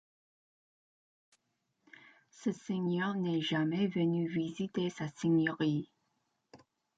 Ce seigneur n'est jamais venu visiter sa seigneurie.